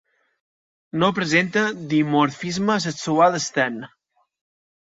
No presenta dimorfisme sexual extern.